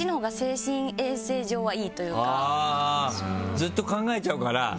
ずっと考えちゃうから。